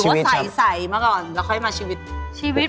หรือว่าใสมาก่อนแล้วมาชีวิต